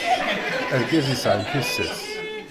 Argaz yesɛan tissas.